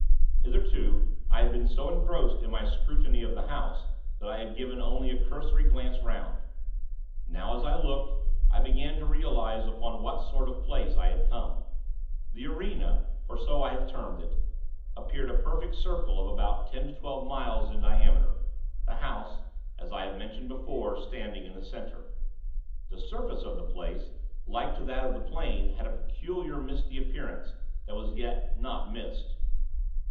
Hitherto, I had been so engrossed in my scrutiny of the House, that I had given only a cursory glance 'round. Now, as I looked, I began to realize upon what sort of a place I had come. The arena, for so I have termed it, appeared a perfect circle of about ten to twelve miles in diameter, the House, as I have mentioned before, standing in the center. The surface of the place, like to that of the Plain, had a peculiar, misty appearance, that was yet not mist.